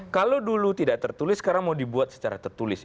kalau dulu tidak tertulis sekarang mau dibuat secara tertulis